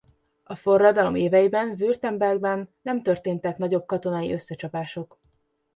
A forradalom éveiben Württembergben nem történtek nagyobb katonai összecsapások.